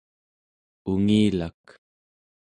ungilak